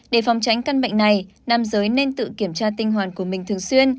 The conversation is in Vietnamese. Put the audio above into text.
để phòng tránh căn bệnh này nam giới nên tự kiểm tra tinh hoàn của mình thường xuyên